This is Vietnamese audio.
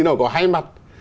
nó có hay mặt